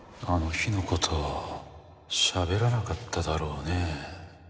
あの日の事しゃべらなかっただろうね？